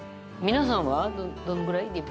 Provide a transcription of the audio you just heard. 皆さんはどのぐらい？